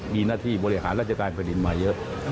มีหน้าที่บริหารราชการแผ่นดินมาเยอะ